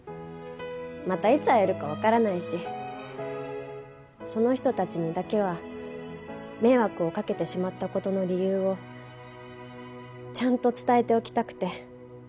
またいつ会えるかわからないしその人たちにだけは迷惑をかけてしまった事の理由をちゃんと伝えておきたくて。